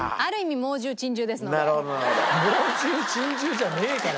猛獣珍獣じゃねえから！